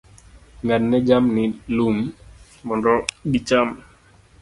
Ng'adne jamni lum mondo gicham.